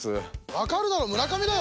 分かるだろ村上だよ！